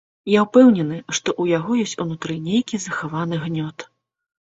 Я ўпэўнены, што ў яго ёсць унутры нейкі захаваны гнёт.